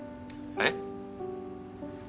えっ？